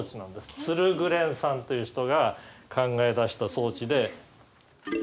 ツルグレンさんという人が考え出した装置で。